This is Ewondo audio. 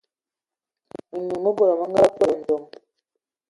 Mənyu mə bod mə nga kpe ndzom.